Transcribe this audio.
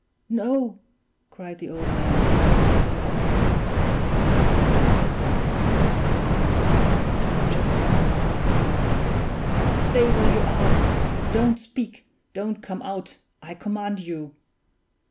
no!" cried the old man, collecting the last remains of his strength in the attempt to speak above the wind, which was just then howling at the loudest; "stay where you are don't speak, don't come out I command you!